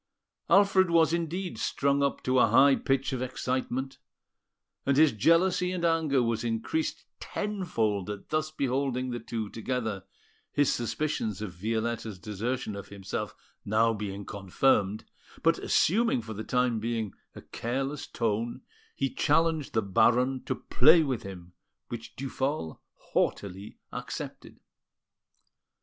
Alfred was, indeed, strung up to a high pitch of excitement, and his jealousy and anger was increased tenfold at thus beholding the two together, his suspicions of Violetta's desertion of himself being now confirmed; but, assuming for the time being a careless tone, he challenged the Baron to play with him, which Duphol haughtily accepted.